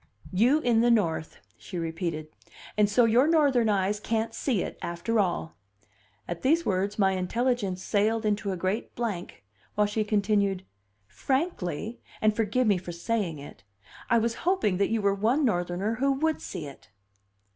"You in the North!" she repeated. "And so your Northern eyes can't see it, after all!" At these words my intelligence sailed into a great blank, while she continued: "Frankly and forgive me for saying it I was hoping that you were one Northerner who would see it."